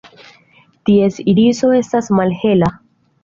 Ties iriso estas malhela.